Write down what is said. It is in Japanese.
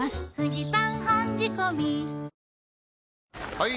・はい！